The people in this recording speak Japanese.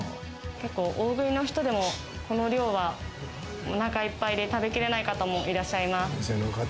結構大食いの人でもこの量はお腹いっぱいで食べきれない方も、いらっしゃいます。